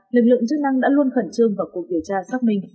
lực lượng chức năng đã luôn khẩn trương vào cuộc điều tra xác minh